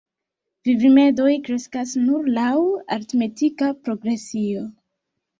Vivrimedoj kreskas nur laŭ aritmetika progresio.